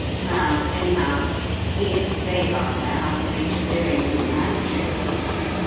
Well, anyhow, he is safe up there out of reach of doing any mad tricks.